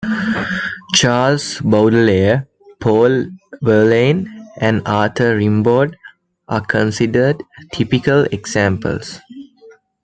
Charles Baudelaire, Paul Verlaine and Arthur Rimbaud are considered typical examples.